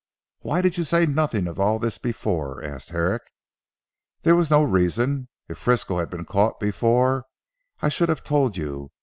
"Why did you say nothing of all this before?" asked Herrick. "There was no reason. If Frisco had been caught before, I should have told you.